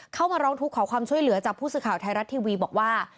มาร้องทุกข์ขอความช่วยเหลือจากผู้สื่อข่าวไทยรัฐทีวีบอกว่า